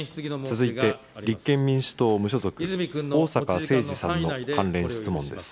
続いて立憲民主党・無所属、逢坂誠二さんの関連質問です。